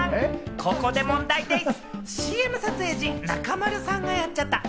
ここで問題でぃす！